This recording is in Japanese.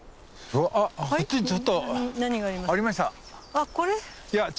あっこれ？